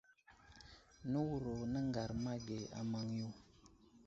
Nəwuro nəŋgar ama ge a maŋyo.